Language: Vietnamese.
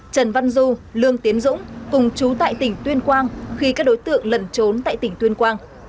trần văn du lương tiến dũng cùng chú tại tỉnh tuyên quang khi các đối tượng lần trốn tại tỉnh tuyên quang